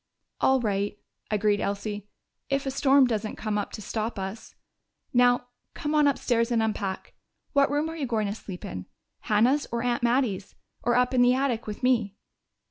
"All right," agreed Elsie, "if a storm doesn't come up to stop us.... Now, come on upstairs and unpack. What room are you going to sleep in Hannah's or Aunt Mattie's or up in the attic with me?"